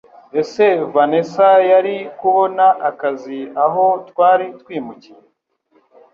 Ese Vanessa yari kubona akazi aho twari twimukiye